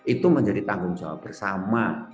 itu menjadi tanggung jawab bersama